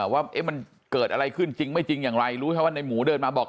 ว่ามันเกิดอะไรขึ้นจริงไม่จริงอย่างไรรู้แค่ว่าในหมูเดินมาบอก